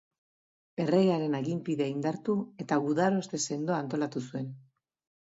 Erregearen aginpidea indartu eta gudaroste sendoa antolatu zuen.